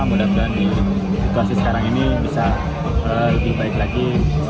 mudah mudahan di situasi sekarang ini bisa lebih baik lagi